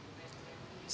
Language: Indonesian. saya belum bisa konfirmasi